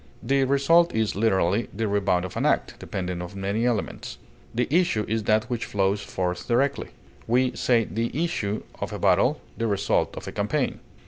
The result is, literally, the rebound of an act, depending on many elements; the issue is that which flows forth directly; we say the issue of a battle, the result of a campaign.